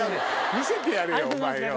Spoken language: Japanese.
見せてやれよお前よ。